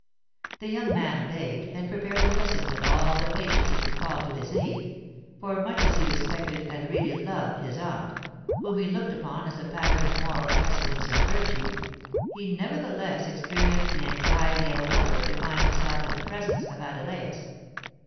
The young man obeyed, and prepared to listen with all the patience he could call to his aid; for much as he respected and really loved his aunt—whom he looked upon as a pattern of moral excellence and virtue—he nevertheless experienced the anxiety of a lover to find himself in the presence of Adelais.